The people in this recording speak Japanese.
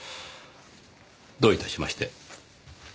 どういたしまして。